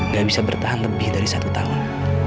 bisa bertahan lebih dari satu tahun